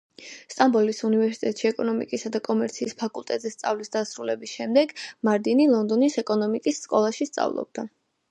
სტამბოლის უნივერსიტეტში ეკონომიკისა და კომერციის ფაკულტეტზე სწავლის დასრულების შემდეგ, მარდინი ლონდონის ეკონომიკის სკოლაში სწავლობდა.